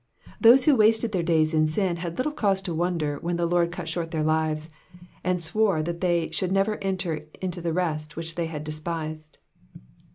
Those who wasted their days in sin had little cause to wonder when the Lord cut short their lives, and sware that they should never enter the rest which they had despised.